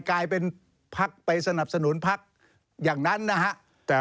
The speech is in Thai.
กลายเป็นพักไปสนับสนุนพักอย่างนั้นนะฮะ